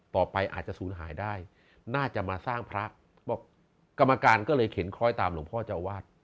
อาจจะศูนย์หายได้น่าจะมาสร้างพระบอกกรรมการก็เลยเข็นคล้อยตามหลวงพ่อเจ้าวาด